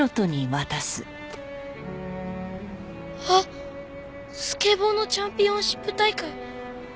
あっスケボーのチャンピオンシップ大会。